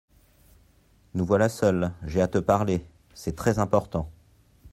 Nous voilà seuls, j’ai à te parler ; c’est très important.